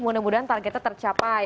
mudah mudahan targetnya tercapai